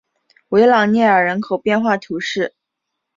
维朗涅尔人口变化图示